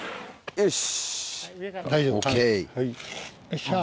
よし。